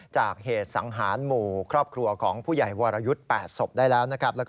จากเหตุสังหารหมู่ครอบครัวของผู้ใหญ่วรยุทธ์๘ศพได้แล้วนะครับ